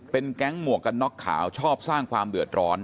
แก๊งหมวกกันน็อกขาวชอบสร้างความเดือดร้อน